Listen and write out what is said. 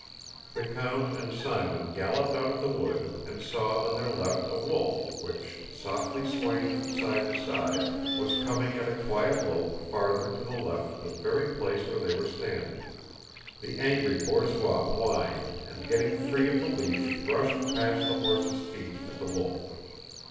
The count and Simon galloped out of the wood and saw on their left a wolf which, softly swaying from side to side, was coming at a quiet lope farther to the left to the very place where they were standing. The angry borzois whined and getting free of the leash rushed past the horses' feet at the wolf.